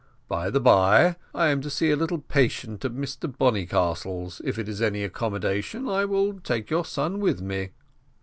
By the bye, I am to see a little patient at Mr Bonnycastle's: if it is any accommodation, I will take your son with me."